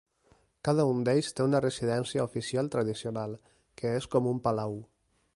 Cada un d'ells té una residència oficial tradicional, que és com un palau.